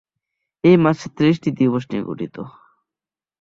এই মাস ত্রিশটি দিবস নিয়ে গঠিত।